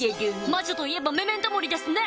魔女といえばメメントモリですね！